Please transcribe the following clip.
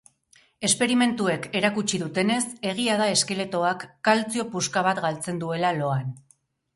esperimentuek erakutsi dutenez, egia da eskeletoak kaltzio puska bat galtzen duela loan.